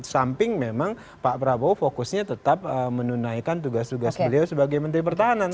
samping memang pak prabowo fokusnya tetap menunaikan tugas tugas beliau sebagai menteri pertahanan